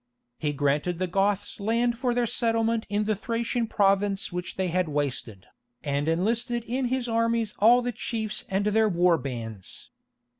He granted the Goths land for their settlement in the Thracian province which they had wasted, and enlisted in his armies all the chiefs and their war bands.